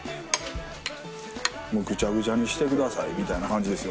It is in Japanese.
もうぐちゃぐちゃにしてくださいみたいな感じですよ。